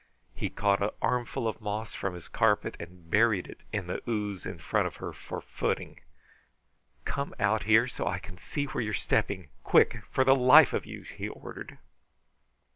He caught an armful of moss from his carpet and buried it in the ooze in front of her for a footing. "Come out here so I can see where you are stepping. Quick, for the life of you!" he ordered.